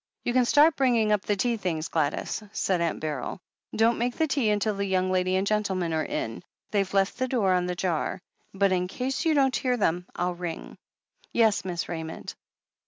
"You can start bringing up the tea things, Gladys," said Aunt Beryl. "Don't make the tea until the young lady and gentleman are in — ^they've left the door on the jar, but in case you don't hear them 111 ring." "Yes, Miss Raymond."